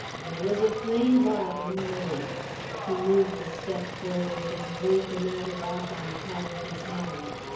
"There was a plain bargain made." He moved a step forward and laid the matter off on the palm of his hand.